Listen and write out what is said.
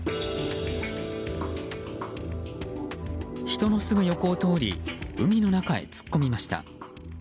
人のすぐ横を通り海の中へ突っ込みました。